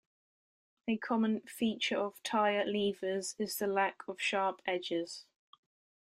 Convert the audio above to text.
A common feature of tire levers is the lack of sharp edges.